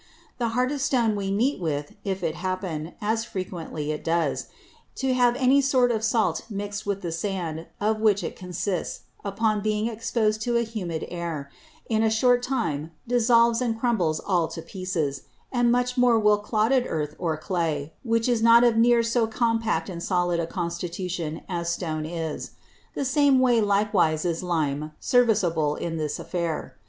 The hardest Stone we meet with, if it happen, as frequently it does, to have any sort of Salt intermix'd with the Sand, of which it consists, upon being expos'd to an humid Air, in a short time dissolves and crumbles all to pieces; and much more will clodded Earth or Clay, which is not of near so compact and solid a Constitution as Stone is. The same way likewise is Lime serviceable in this Affair.